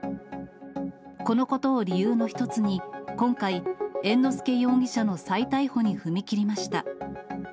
このことを理由の一つに、今回、猿之助容疑者の再逮捕に踏み切りました。